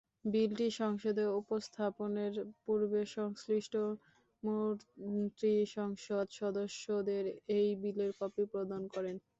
বিলটি সংসদে উপস্থাপনের পূর্বে সংশ্লিষ্ট মন্ত্রী সংসদ-সদস্যদের ওই বিলের কপি প্রদান করেন।